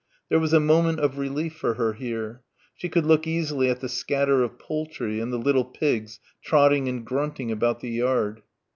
There was a moment of relief for her here. She could look easily at the scatter of poultry and the little pigs trotting and grunting about the yard.